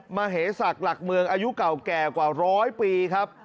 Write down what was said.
มเหศักดิ์หลักเมืองอายุเก่าแก่กว่าร้อยปีครับ